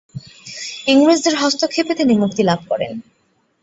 ইংরেজদের হস্তক্ষেপে তিনি মুক্তি লাভ করেন।